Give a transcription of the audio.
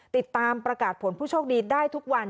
ติดตามประกาศผลผู้โชคดีได้ทุกวัน